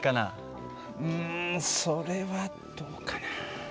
うんそれはどうかな。